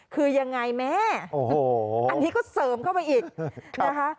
คือยังไงแม่อันนี้ก็เสริมเข้าไปอีกนะคะ